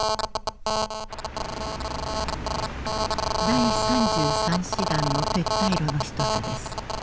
第３３師団の撤退路の一つです。